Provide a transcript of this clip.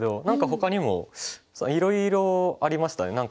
何かほかにもいろいろありましたね。